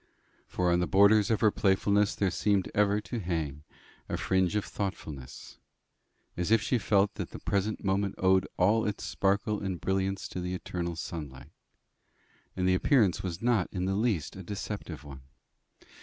For on the borders of her playfulness there seemed ever to hang a fringe of thoughtfulness, as if she felt that the present moment owed all its sparkle and brilliance to the eternal sunlight. And the appearance was not in the least a deceptive one.